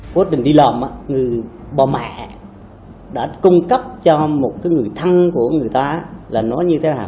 cuộc tình đi lòm người bà mẹ đã cung cấp cho một người thân của người ta